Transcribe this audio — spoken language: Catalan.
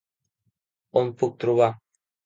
On puc trobar??